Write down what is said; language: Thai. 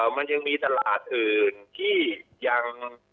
มันยังมีตลาดอื่นที่ยัง